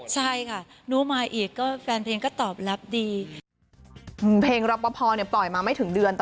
ใช่ค่ะหนูมาอีกแฟนเพลงก็ตอบรับดี